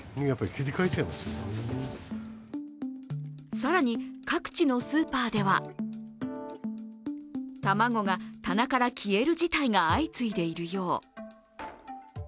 更に各地のスーパーでは卵が棚から消える事態が相次いでいるよう。